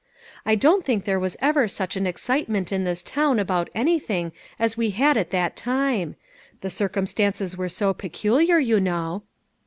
I don't think there was ever such an excitement in this town about anything as we had at that time ; the circumstances were so peculiar, you know."